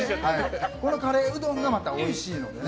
このカレーうどんがまたおいしいのでね。